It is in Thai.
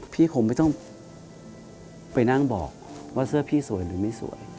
คงไม่ต้องไปนั่งบอกว่าเสื้อพี่สวยหรือไม่สวย